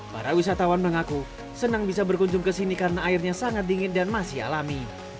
para wisatawan mengaku senang bisa berkunjung ke sini karena airnya sangat dingin dan masih alami